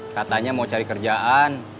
katanya mau cari kerjaan